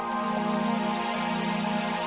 terima kasih bang